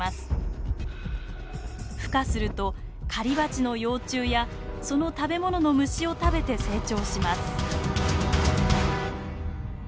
ふ化すると狩りバチの幼虫やその食べ物の虫を食べて成長します。